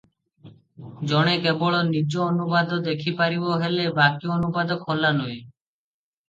ଜଣେ କେବଳ ନିଜ ଅନୁବାଦ ଦେଖିପାରିବ ହେଲେ ବାକି ଅନୁବାଦ ଖୋଲା ନୁହେଁ ।